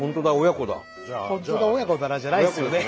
「本当だ親子だ」じゃないんですよ。